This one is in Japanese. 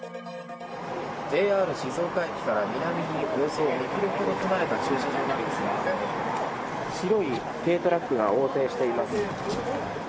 ＪＲ静岡駅から南におよそ２ｋｍほど離れた駐車場なんですが白い軽トラックが横転しています。